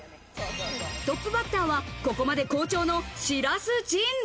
トップバッターはここまで好調の白洲迅。